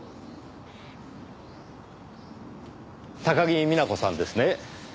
高木美奈子さんですね。